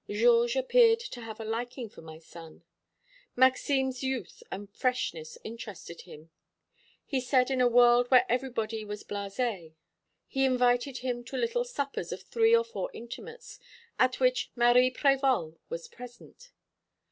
Georges appeared to have a liking for my son; Maxime's youth and freshness interested him; he said, in a world where everybody was blasé. He invited him to little suppers of three or four intimates, at which Marie Prévol was present.